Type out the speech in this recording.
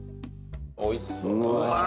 おいしそう。